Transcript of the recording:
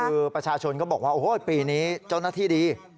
คือประชาชนก็บอกว่าโอ้โหปีนี้เจ้าหน้าที่ดี